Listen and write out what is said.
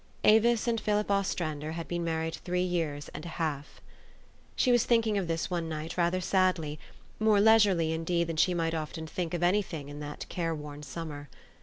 Avis and Philip Ostrander had been married three years and a half. She was thinking of this one night rather sadly, more leisurely indeed than she might often think of any thing in that careworn summer.